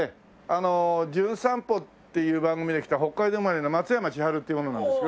あの『じゅん散歩』っていう番組で来た北海道生まれの松山千春っていう者なんです。